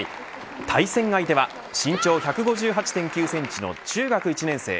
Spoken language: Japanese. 対戦相手は身長１５８．９センチの中学１年生。